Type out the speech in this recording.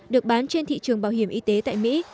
được bán trên thị trường bảo hiểm y tế tại mỹ